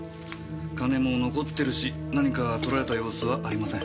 金も残ってるし何か盗られた様子はありません。